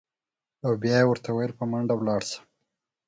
او بیا یې ورته ویل: په منډه لاړ شه.